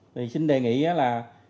thì xin đề nghị là